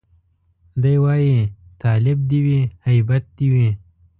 دی وايي تالب دي وي هيبت دي وي